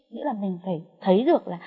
nghĩa là mình phải thấy được